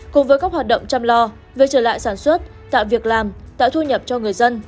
cùng với các hoạt động chăm lo về trở lại sản xuất tạo việc làm tạo thu nhập cho người dân